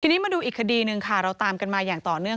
ทีนี้มาดูอีกคดีหนึ่งค่ะเราตามกันมาอย่างต่อเนื่อง